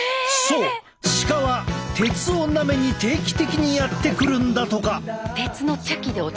そう鹿は鉄をなめに定期的にやって来るんだとか。